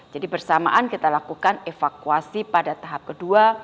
jadi bersamaan kita lakukan evakuasi pada tahap kedua